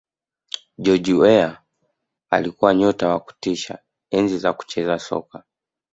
george Weah alikuwa nyota wa kutisha enzi za kucheza soka